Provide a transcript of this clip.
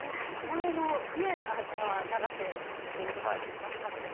前のは永瀬王座が勝ちましたので。